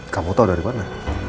kamu tau darimana